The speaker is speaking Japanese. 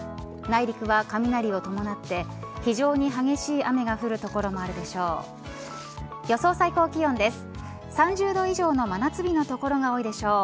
内陸は雷を伴って非常に激しい雨が降る所もあるでしょう。